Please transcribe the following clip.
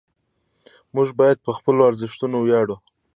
موږ باید په خپلو ارزښتونو ویاړو.